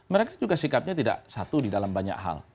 mereka juga sikapnya tidak satu di dalam banyak hal